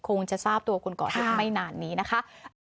คงจะทราบตัวคนก่อเหตุไม่นานนี้นะคะ